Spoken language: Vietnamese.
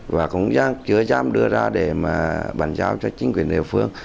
và cũng chưa dám đưa ra để mà bàn giao cho chính quyền địa phương